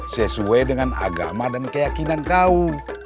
sesuai dengan agama dan keyakinan kau